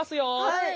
はい。